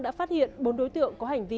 đã phát hiện bốn đối tượng có hành vi